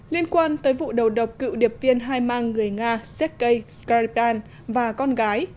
liên quan tới vụ đầu độc cựu điệp viên hai mang người nga sergei sklyabin và con gái